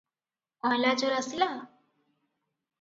ଅଏଁଲାଯୋର ଆସିଲା?